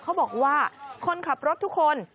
เขาบอกว่าคนขับรถทุกคน